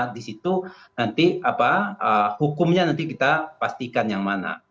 di situ nanti hukumnya nanti kita pastikan yang mana